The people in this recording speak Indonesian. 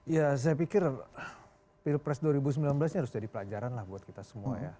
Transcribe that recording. ya saya pikir pilpres dua ribu sembilan belas ini harus jadi pelajaran lah buat kita semua ya